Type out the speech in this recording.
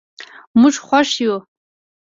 موږ خوښ یو.